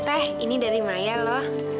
teh ini dari maya loh